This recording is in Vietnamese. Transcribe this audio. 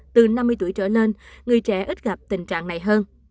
từ năm mươi tuổi trở lên người trẻ ít gặp tình trạng này hơn